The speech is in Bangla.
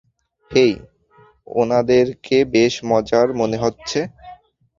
হেই, ওদেরকে বেশ মজার মনে হচ্ছে।